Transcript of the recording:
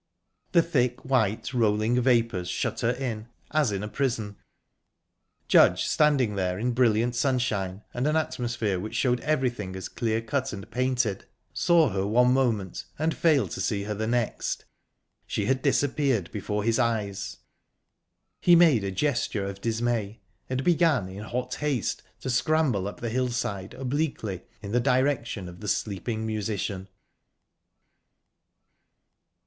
The thick, white, rolling vapours shut her in, as in a prison...Judge, standing there in brilliant sunshine and an atmosphere which showed everything as clear cut and painted, saw her one moment, and failed to see her the next. She had disappeared before his eyes. He made a gesture of dismay, and began in hot haste to scramble up the hillside obliquely, in the direction of the sleeping musician.